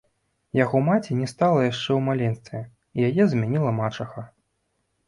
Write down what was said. Яго маці не стала яшчэ ў маленстве, і яе замяніла мачаха.